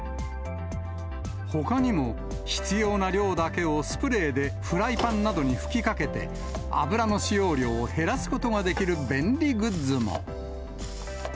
ほかにも必要な量だけをスプレーでフライパンなどに吹きかけて、油の使用量を減らすことができる便利グッズも。